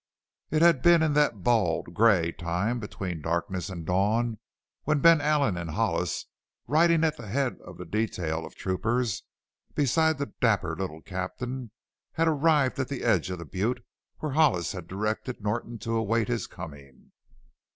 It had been in that bald, gray time between darkness and dawn when Ben Allen and Hollis, riding at the head of the detail of troopers beside the dapper little captain, had arrived at the edge of the butte where Hollis had directed Norton to await his coming.